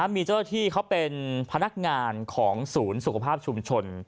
มีเจ้าหน้าที่เขาเป็นพนักงานของศูนย์สุขภาพชุมชน